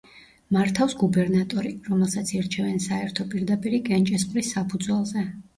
მართავს გუბერნატორი, რომელსაც ირჩევენ საერთო პირდაპირი კენჭისყრის საფუძველზე.